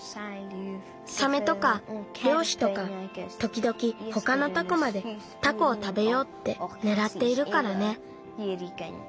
サメとかりょうしとかときどきほかのタコまでタコをたべようってねらっているからね。